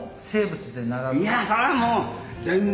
いやそれはもう全然！